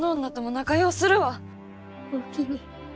おおきに。